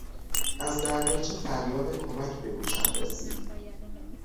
از دریاچه فریاد کمک به گوشم رسید.